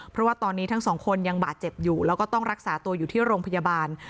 เพราะว่าตอนนี้ทั้งสองคนยังบาดเจ็บอยู่แล้วก็ต้องรักษาตัวอยู่ที่โรงพยาบาล